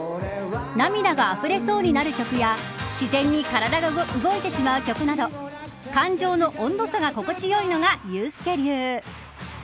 涙があふれそうになる曲や自然に体が動いてしまう曲など感情の温度差が心地いいのが遊助流。